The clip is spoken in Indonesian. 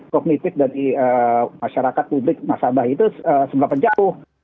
kognitif dari masyarakat publik nasabah itu sebelah penjauh